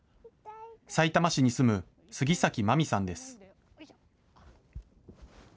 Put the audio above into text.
さいたま市に住む杉崎真見さんです。